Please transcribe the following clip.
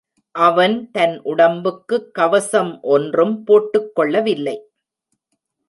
அவன் தன் உடம்புக்குக் கவசம் ஒன்றும் போட்டுக் கொள்ளவில்லை.